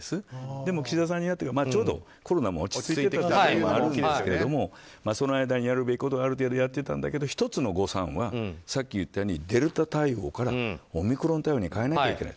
でも、岸田さんになってからちょうどコロナも落ち着いてきたというのもあるんですがその間にやるべきことをある程度やってたんだけども１つの誤算はさっき言ったようにデルタ対応からオミクロン対応に変えなきゃいけない。